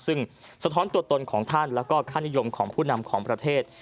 ซึ่งสะท้อนตัวตนของท่านแล้วก็ค่านิยมของผู้นำของประเทศ